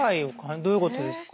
どういうことですか？